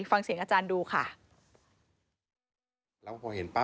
ฟังเสียงอาจารย์ดูค่ะ